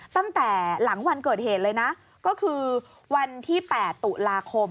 ตั้งแต่หลังวันเกิดเหตุเลยนะก็คือวันที่๘ตุลาคม